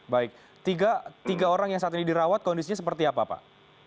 baik tiga orang yang saat ini dirawat kondisinya seperti apa pak